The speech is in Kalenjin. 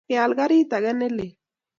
Keal karit ake ne lel.